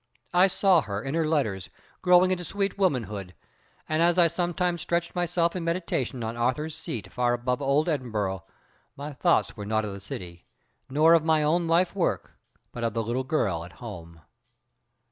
I saw her, in her letters, growing into sweet womanhood, and, as I sometimes stretched myself in meditation on Arthur's Seat, far above old Edinburgh, my thoughts were not of the city, nor of my own lifework, but of the little girl at home.